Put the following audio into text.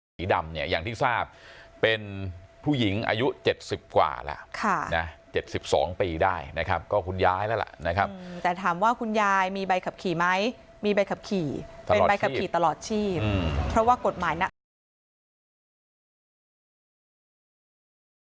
สีดำเนี่ยอย่างที่ทราบเป็นผู้หญิงอายุ๗๐กว่าแล้ว๗๒ปีได้นะครับก็คุณย้ายแล้วล่ะนะครับแต่ถามว่าคุณยายมีใบขับขี่ไหมมีใบขับขี่เป็นใบขับขี่ตลอดชีพเพราะว่ากฎหมายนะ